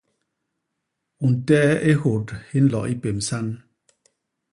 U ntehe i hyôt hi nlo i pémsan!